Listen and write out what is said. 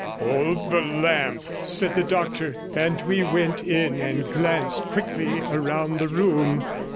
'Hold the lamp,' said the doctor, and we went in and glanced quickly round the room.